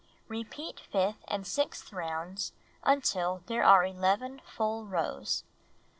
Repeat fifth and sixth rounds until there are 11 full rows.